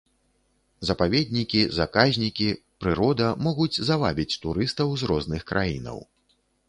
Запаведнікі, заказнікі, прырода могуць завабіць турыстаў з розных краінаў.